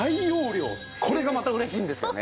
これがまた嬉しいんですよね。